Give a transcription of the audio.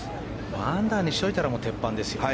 アンダーにしておいたら鉄板ですよ。